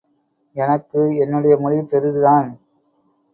எனக்கு என்னுடைய மொழி பெரிதுதான்.